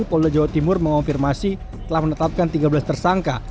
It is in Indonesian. polda jawa timur mengonfirmasi telah menetapkan tiga belas tersangka